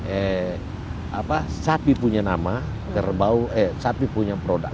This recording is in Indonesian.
eh apa sapi punya nama kerbau eh sapi punya produk